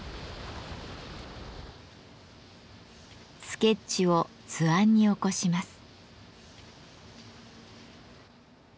スケッチを図案に起こします。